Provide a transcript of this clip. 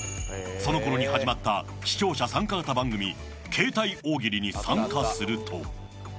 そのころに始まった視聴者参加型番組「ケータイ大喜利」に参加すると。